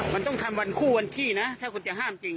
มันต้องทำวันคู่วันขี้นะถ้าคุณจะห้ามจริง